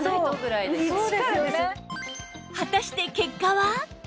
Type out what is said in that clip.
果たして結果は？